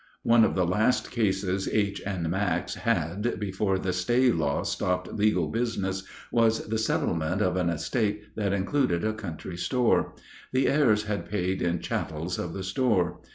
One of the last cases H. and Max had before the stay law stopped legal business was the settlement of an estate that included a country store. The heirs had paid in chattels of the store.